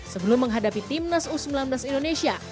sebelum menghadapi tim nas u sembilan belas indonesia